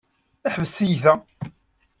Ḥbes tiyyta!